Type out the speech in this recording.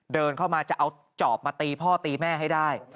เดินเข้ามาจะเอาจอบมาตีพ่อตีแม่ให้ได้